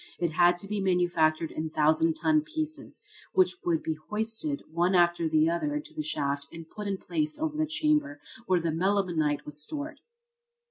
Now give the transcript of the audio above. It had to be manufactured in thousand ton pieces, which would be hoisted one after the other into the shaft and put in place over the chamber where the melimelonite was stored.